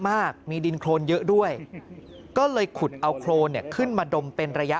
มากมีดินโครนเยอะด้วยก็เลยขุดเอาโครนเนี่ยขึ้นมาดมเป็นระยะ